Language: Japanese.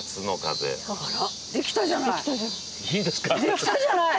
できたじゃない！